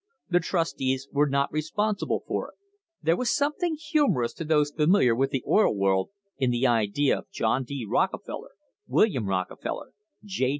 The trustees were not responsible for it. There was some thing humorous to those familiar with the oil world, in the idea of J. D. Rockefeller, William Rockefeller, J.